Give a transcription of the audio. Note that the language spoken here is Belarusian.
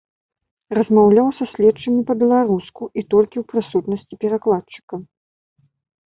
Размаўляў са следчымі па-беларуску і толькі ў прысутнасці перакладчыка.